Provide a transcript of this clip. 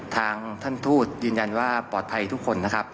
ทางท่านทูตยืนยันว่าปลอดภัยทุกคนนะครับ